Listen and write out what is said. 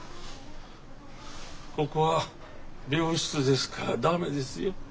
ここは病室ですから駄目ですよ。